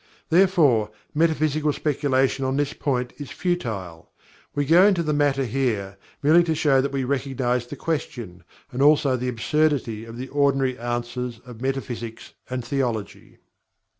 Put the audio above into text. Therefore, Metaphysical speculation on this point is futile. We go into the matter here, merely to show that we recognize the question, and also the absurdity of the ordinary answers of metaphysics and theology.